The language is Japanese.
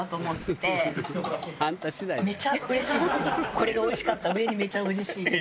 これがおいしかったうえにめちゃうれしいです。